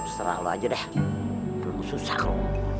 serah lo aja deh rum susah rum